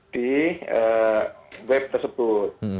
di web tersebut